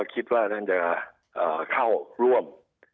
คิดว่าจะเข้าร่วม